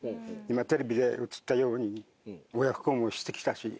今テレビで映ったように親不孝もしてきたし